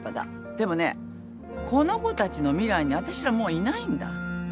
でもねこの子たちの未来にあたしらもういないんだ。